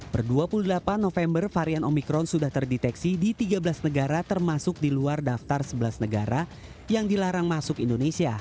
per dua puluh delapan november varian omikron sudah terdeteksi di tiga belas negara termasuk di luar daftar sebelas negara yang dilarang masuk indonesia